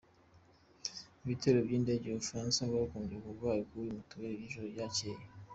Ibitero by’indege z’Ubufaransa byagabwe ku barwanyi b’uyu mutwe mu ijoro ryacyeye.